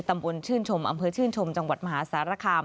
ตำบลชื่นชมอำเภอชื่นชมจังหวัดมหาสารคาม